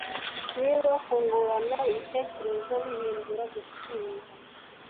niba kungurana ibitekerezo bihinduka 'gushinja